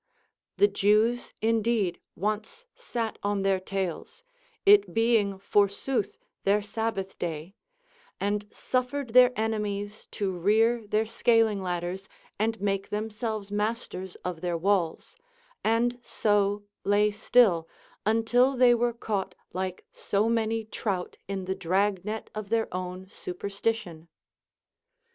The Jews indeed once sat on their tails, — it be ing forsooth their Sabbath day, — and suffered their enemies to rear their scaling ladders and make themselves masters of their walls, and so lay still until they were caught like so many trout in the drag net of their own supersti tion.